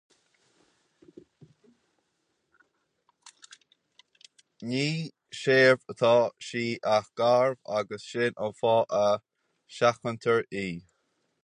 Ní searbh atá sí ach garbh agus sin an fáth a seachantar í